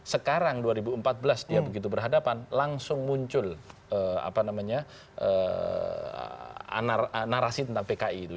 sekarang dua ribu empat belas dia begitu berhadapan langsung muncul narasi tentang pki itu